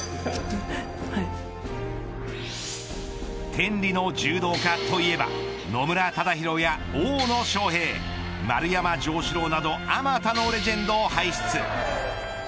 天理の柔道家といえば野村忠宏や大野将平丸山城志郎などあまたのレジェンド排出。